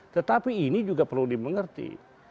tetapi ini juga perlu dimengerti